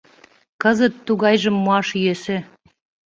Кызыт тугайжым муаш йӧсӧ.